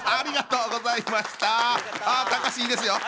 ありがとうございます！